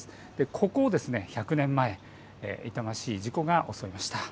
ここを１００年前、痛ましい事故が襲いました。